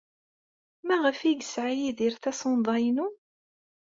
Maɣef ay yeɛṣa Yidir tasunḍa-inu?